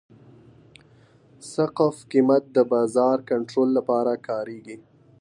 سقف قیمت د بازار کنټرول لپاره کارېږي.